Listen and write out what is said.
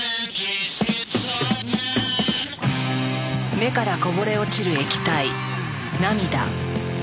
目からこぼれ落ちる液体「涙」。